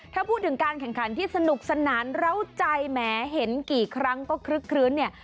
ถ้าพูดถึงการแข่งขันที่สนุกสนานเล่าใจแม้เห็นกี่ครั้งก็คลึกคลื้นเนี่ย